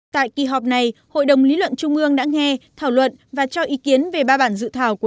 tại kỳ họp này hội đồng lý luận trung ương đã nghe thảo luận và cho ý kiến về ba bản dự thảo của